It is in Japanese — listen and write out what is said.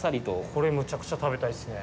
これ、むちゃくちゃ食べたいですね。